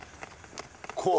こう？